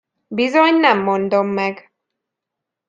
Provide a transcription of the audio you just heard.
Bizony nem mondom meg!